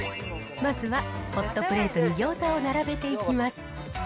まずはホットプレートにギョーザを並べていきます。